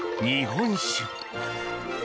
日本酒。